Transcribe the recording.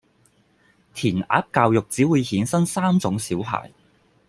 填鴨教育只會衍生三種小孩